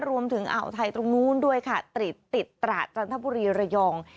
รวมถึงอ่าวไทยตรงนู้นด้วยค่ะติดติดตระจันทบุรีระยอง